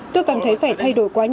tôi cảm thấy phải thay đổi quá nhanh